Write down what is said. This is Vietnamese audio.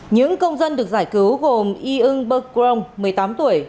những công dân được giải cứu gồm yưng bơ công một mươi tám tuổi